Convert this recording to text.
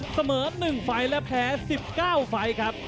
เสมอ๑ไฟล์และแพ้๑๙ไฟล์ครับ